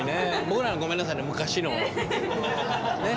僕らはごめんなさいね昔のをね。